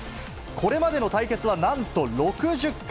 これまでの対決はなんと６０回。